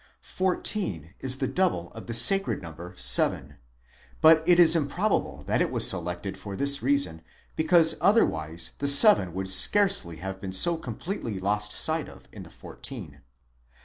Fourteen is the double of the sacred number seven; but it is improbable that it was selected for this reason,!4 because otherwise the seven would scarcely have been so completely lost sight of in the fourteen.